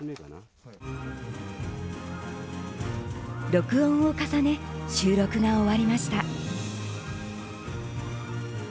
録音を重ね、収録が終わりました。